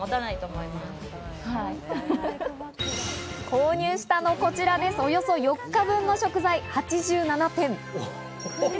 購入したのはこちら、およそ４日分の食材８７点。